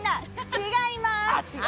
違いまーす。